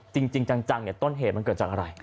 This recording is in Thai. จริงจังต้นเหตุมันเกิดจากอะไร